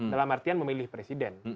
dalam artian memilih presiden